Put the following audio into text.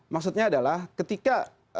maksudnya adalah ketika